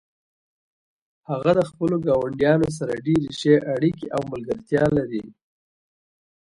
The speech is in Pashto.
هغه د خپلو ګاونډیانو سره ډیرې ښې اړیکې او ملګرتیا لري